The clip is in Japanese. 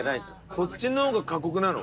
こっちの方が過酷なの？